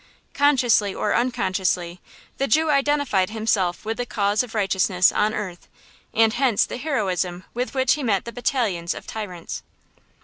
Consciously or unconsciously, the Jew identified himself with the cause of righteousness on earth; and hence the heroism with which he met the battalions of tyrants.